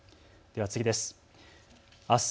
では次です。